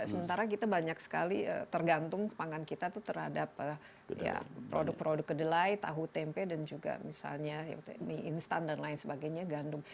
sementara kita banyak sekali tergantung pangan kita itu terhadap produk produk kedelai tahu tempe dan juga misalnya mie instan dan lain sebagainya gandum